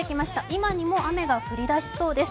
今にも雨が降りだしそうです。